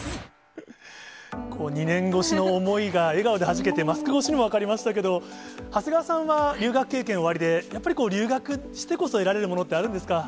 ２年越しの思いが笑顔ではじけて、マスク越しでも分かりましたけど、長谷川さんは留学経験おありで、やはり留学してこそ得られるものってあるんですか？